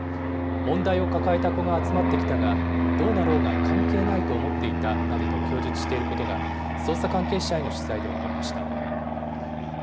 問題を抱えた子が集まってきたが、どうなろうが関係ないと思っていたなどと供述していることが、捜査関係者への取材で分かりました。